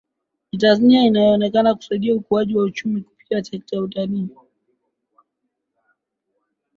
Ni tasnia inayoonekana kusaidia ukuaji wa uchumi kupitia sekta ya Utalii